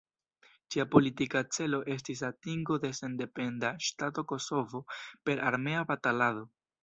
Ĝia politika celo estis atingo de sendependa ŝtato Kosovo per armea batalado.